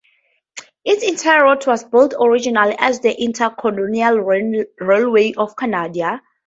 Its entire route was built originally as the Intercolonial Railway of Canada.